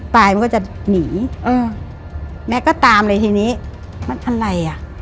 ปลายมันก็จะหนีอืมแม่ก็ตามเลยทีนี้มันอะไรอ่ะ